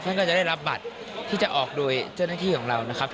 ก็จะได้รับบัตรที่จะออกโดยเจ้าหน้าที่ของเรานะครับ